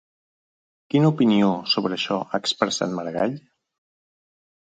Quina opinió sobre això ha expressat Maragall?